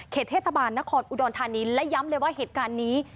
เทศบาลนครอุดรธานีและย้ำเลยว่าเหตุการณ์นี้